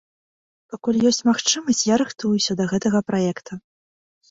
Пакуль ёсць магчымасць, я рыхтуюся да гэтага праекта.